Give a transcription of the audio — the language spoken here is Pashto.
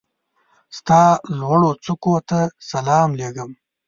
ستا لوړوڅوکو ته سلام لېږم